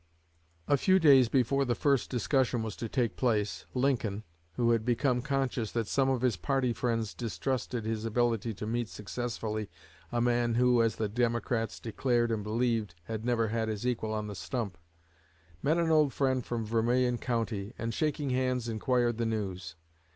A few days before the first discussion was to take place, Lincoln, who had become conscious that some of his party friends distrusted his ability to meet successfully a man who, as the Democrats declared and believed, had never had his equal on the stump, met an old friend from Vermilion County, and, shaking hands, inquired the news.